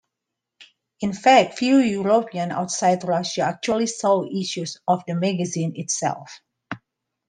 In fact, few Europeans outside Russia actually saw issues of the magazine itself.